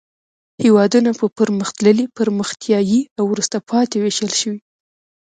هېوادونه په پرمختللي، پرمختیایي او وروسته پاتې ویشل شوي.